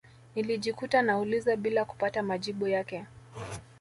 Nilijikuta nauliza bila kupata majibu yake